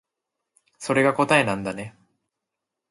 それが答えなんだね